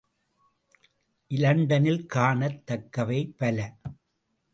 இலண்டனில் காணத் தக்கவை பல.